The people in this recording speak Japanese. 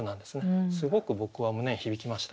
すごく僕は胸に響きました。